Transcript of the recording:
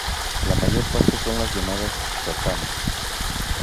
La mayor parte son las llamadas ratán.